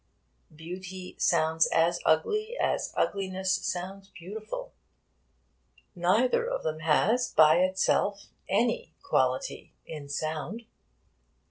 Beauty sounds as ugly as ugliness sounds beautiful. Neither of them has by itself any quality in sound.